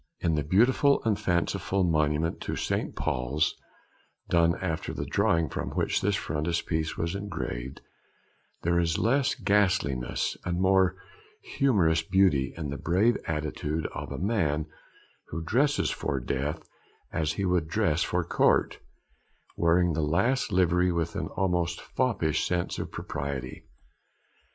In the beautiful and fanciful monument in St. Paul's done after the drawing from which this frontispiece was engraved, there is less ghastliness and a more harmonious beauty in the brave attitude of a man who dresses for death as he would dress for Court, wearing the last livery with an almost foppish sense of propriety.